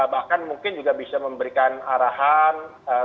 bahkan mungkin juga bisa memberikan arahan